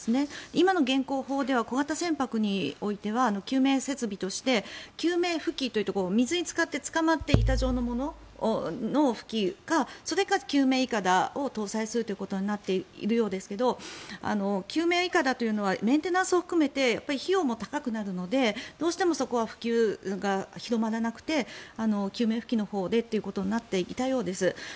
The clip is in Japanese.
今の現行法では小型船舶においては救命設備として救命浮器という、つかまって板状の浮器のものそれか救命いかだを搭載することになっているようですが救命いかだはメンテナンスを含めて費用も高くなるのでどうしてもそこは普及が広まらなくて救命浮器となっていたようです。